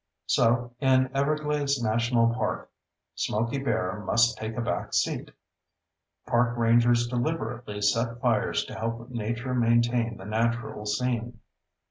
So, in Everglades National Park, Smokey Bear must take a back seat: park rangers deliberately set fires to help nature maintain the natural scene.